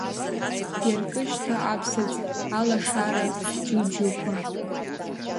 Иаркы шьҭа аԥсаӡ, алашара џьуџьуқәа.